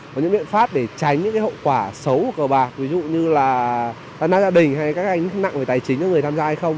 có những biện pháp để tránh những hậu quả xấu của cờ bạc ví dụ như là đàn gia đình hay các anh nặng về tài chính cho người tham gia hay không